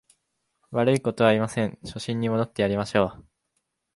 悪いことは言いません、初心に戻ってやりましょう